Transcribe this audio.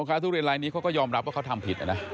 พยมศาสตร์ทุเรียนรายนี้เขาก็ยอมรับว่าเขาทำผิด